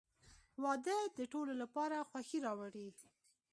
• واده د ټولو لپاره خوښي راوړي.